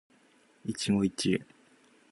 一期一会